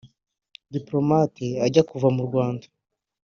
Diplomate ajya kuva mu Rwanda